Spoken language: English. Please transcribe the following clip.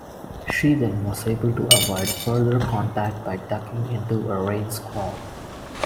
She then was able to avoid further contact by ducking into a rain squall.